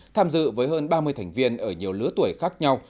tham dự với hơn ba mươi thành viên ở nhiều lứa tuổi khác nhau